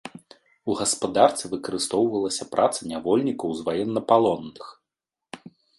У гаспадарцы выкарыстоўвалася праца нявольнікаў з ваеннапалонных.